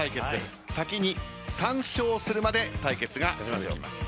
先に３勝するまで対決が続きます。